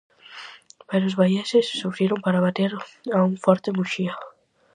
Pero os baieses sufriron para bater a un forte Muxía.